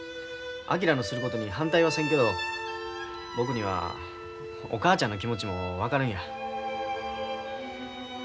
昭のすることに反対はせんけど僕にはお母ちゃんの気持ちも分かるんや。